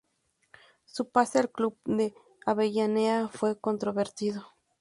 Su pase al club de Avellaneda fue controvertido.